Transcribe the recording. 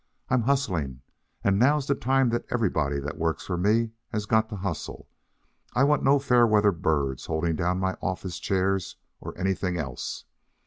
I'm hustling, and now's the time that everybody that works for me has got to hustle. I want no fair weather birds holding down my office chairs or anything else.